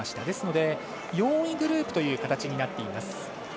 ですので、４位グループという形になっています。